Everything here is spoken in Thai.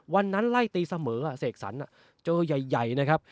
วันนั้นไล่ตีเสมออ่ะเสกสรรอ่ะเจอใหญ่ใหญ่นะครับ